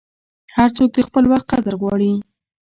هر څوک د خپل وخت قدر غواړي.